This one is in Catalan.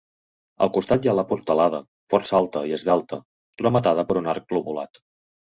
Al costat hi ha la portalada, força alta i esvelta, rematada per un arc lobulat.